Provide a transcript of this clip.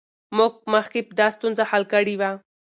موږ مخکې دا ستونزه حل کړې وه.